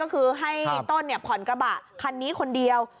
ก็คือให้ต้นผ่อนกระบะคันนี้คนเดียว